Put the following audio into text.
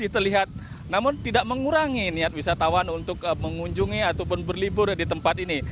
terlihat namun tidak mengurangi niat wisatawan untuk mengunjungi ataupun berlibur di tempat ini